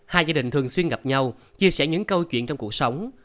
hai gia đình thường xuyên gặp nhau chia sẻ những câu chuyện trong cuộc sống